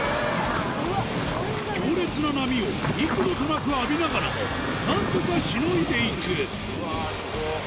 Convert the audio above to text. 強烈な波を幾度となく浴びながらもなんとかしのいでいくうわぁスゴっ！